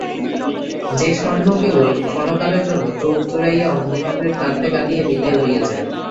যে স্বর্ণ কেবল ক্ষণকালের জন্য চোখ জুড়াইয়া অন্ধকারের প্রান্তে কাঁদিয়া বিদায় লইয়া যায়।